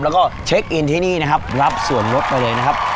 แล้วก็เช็คอินที่นี่นะครับรับส่วนลดไปเลยนะครับ